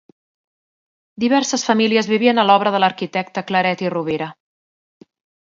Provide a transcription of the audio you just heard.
Diverses famílies vivien a l'obra de l'arquitecte Claret i Rovira.